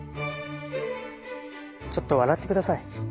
ちょっと笑って下さい。